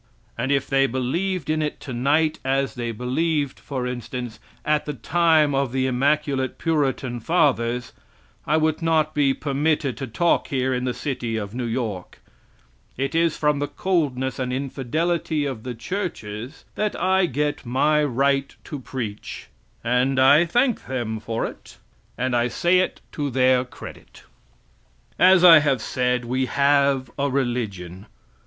And if they believed in it tonight as they believed, for instance, at the time of the immaculate Puritan fathers, I would not be permitted to talk here in the city of New York. It is from the coldness and infidelity of the churches that I get my right to preach; and I thank them for it, and I say it to their credit. As I have said, we have a religion.